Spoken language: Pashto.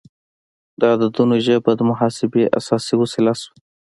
د عددونو ژبه د محاسبې اساسي وسیله شوه.